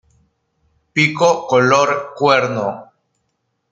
Pico color cuerno.